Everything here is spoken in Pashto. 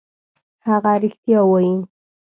هغه رښتیا وايي.